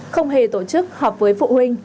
không hề tổ chức họp với phụ huynh